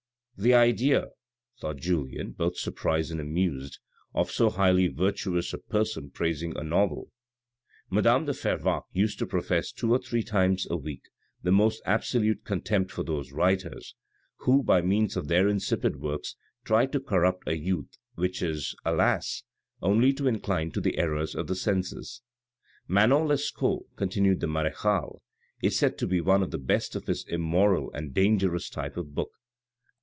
"The idea," thought Julien, both surprised and amused, " of so highly virtuous a person praising a novel ! Madame de Fervaques used to profess two or three times a week the most absolute contempt for those writers, who, by means of their insipid works, try to corrupt a youth which is, alas ! only too inclined to the errors of the senses." " Manon Lescaut" continued the marechale, " is said to be one of the best of this immoral and dangerous type of book.